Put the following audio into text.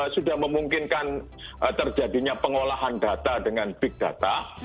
sudah memungkinkan terjadinya pengolahan data dengan big data